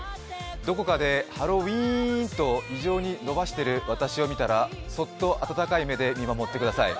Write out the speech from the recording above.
どこかでハロウィーーンと異常に伸ばしている私を見ましたらそっと温かい目で見守ってください。